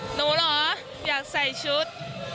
เหรออยากใส่ชุด